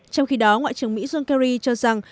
trong khi đó ngoại trưởng mỹ john kerry cho rằng